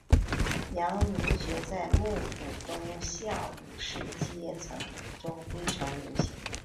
阳明学在幕府中下武士阶层中非常流行。